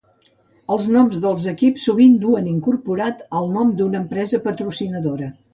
Els noms dels equips sovint duen incorporat el nom d'una empresa patrocinadora.